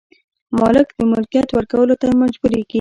مالک د ملکیت ورکولو ته مجبوریږي.